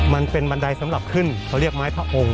มันเป็นบันไดสำหรับขึ้นเขาเรียกไม้พระองค์